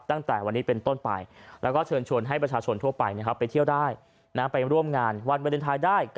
ตั้งแต่วันนี้เป็นต้นไปแล้วก็เชิญชวนให้ประชาชนทั่วไปไปเที่ยวได้ไปร่วมงานวันวาเลนไทยได้